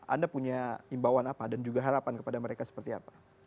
anda punya imbauan apa dan juga harapan kepada mereka seperti apa